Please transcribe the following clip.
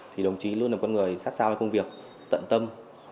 thì đồng chí luôn là một con người sát sao với công việc tận tâm